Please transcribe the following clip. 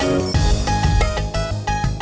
gak usah bayar